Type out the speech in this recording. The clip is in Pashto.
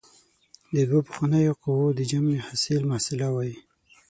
د دوو پخوانیو قوو د جمع حاصل محصله وايي.